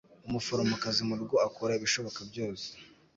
Umuforomokazi murugo akora ibishoboka byose